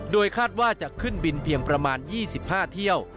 โดยคาดว่าจะขึ้นบินเพียงประมาณ๒๕เที่ยว